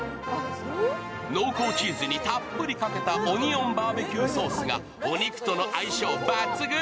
濃厚チーズにたっぷりかけたオニオンバーベキューソースがお肉との相性抜群。